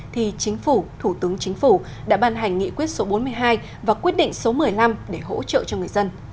thì chính phủ thủ tướng chính phủ đã ban hành nghị quyết số bốn mươi hai và quyết định số một mươi năm để hỗ trợ cho người dân